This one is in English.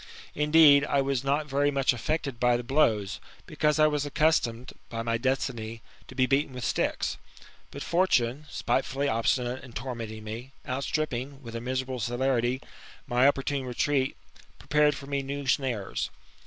Indeed, I was not very much affected by the blows, because I was accustomed by my destiny, to be beaten with sticks. But Fortune, spitefully obstinate in tormenting me, outstripping, with a miserable celerity, my opportune retreat, prepared for me new snares.